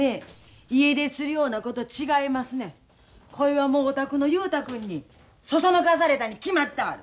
こいはもうお宅の雄太君にそそのかされたに決まったある。